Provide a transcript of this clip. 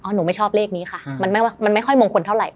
หนูไม่ชอบเลขนี้ค่ะมันไม่ค่อยมงคลเท่าไหร